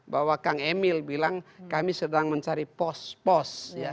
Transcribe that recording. bahwa kang emil bilang kami sedang mencari pos pos